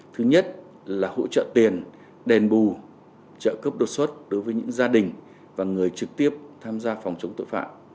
thứ nhất là hỗ trợ tiền đền bù trợ cấp đột xuất đối với những gia đình và người trực tiếp tham gia phòng chống tội phạm